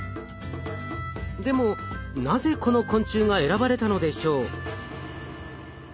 でもなぜこの昆虫が選ばれたのでしょう？